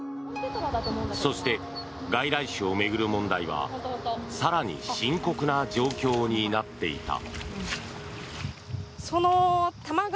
そして、外来種を巡る問題は更に深刻な状況になっていた。